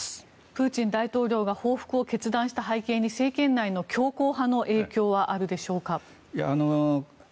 プーチン大統領が報復を決断した背景に政権内の強硬派の影響はあるでしょうか？